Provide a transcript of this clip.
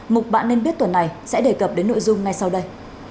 mục bạn nên biết tuần này sẽ đề cập đến nội dung ngay sau đây